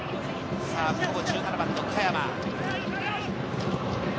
１７番の香山。